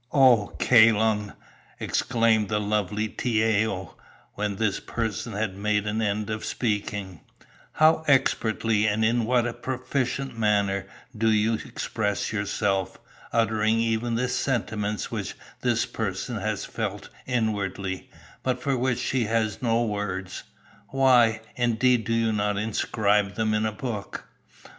"'O Kai Lung,' exclaimed the lovely Tiao, when this person had made an end of speaking, 'how expertly and in what a proficient manner do you express yourself, uttering even the sentiments which this person has felt inwardly, but for which she has no words. Why, indeed, do you not inscribe them in a book?